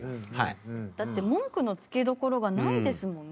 だって文句のつけどころがないですもんね